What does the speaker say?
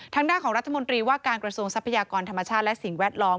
ทางด้านของรัฐมนตรีว่าการกระทรวงทรัพยากรธรรมชาติและสิ่งแวดล้อม